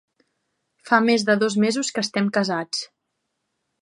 Fa més de dos mesos que estem casats.